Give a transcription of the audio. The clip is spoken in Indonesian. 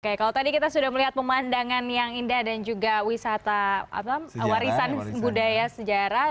oke kalau tadi kita sudah melihat pemandangan yang indah dan juga wisata warisan budaya sejarah